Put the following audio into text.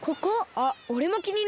あっおれもきになった。